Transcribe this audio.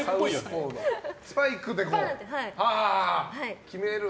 スパイクで決める。